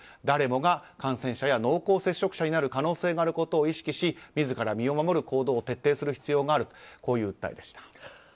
誰もが感染者や濃厚接触者になる可能性があることを意識し、自ら身を守る行動を徹底する必要があるこういう訴えでした。